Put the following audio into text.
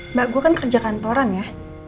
mbak gue kan kerja kantoran ya